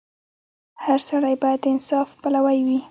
• هر سړی باید د انصاف پلوی وي.